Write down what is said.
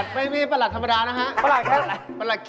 สวัสดีวันดีครับอย่างงี้ขนัดประหลัก